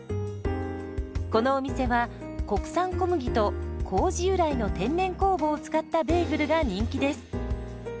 このお店は国産小麦と麹由来の天然酵母を使ったベーグルが人気です。